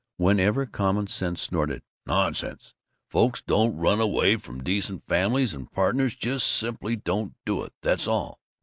Whenever common sense snorted, "Nonsense! Folks don't run away from decent families and partners; just simply don't do it, that's all!"